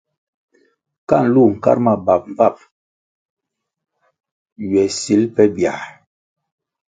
Ka nlu nkar ma bap mbpap ywe sil pe biãh.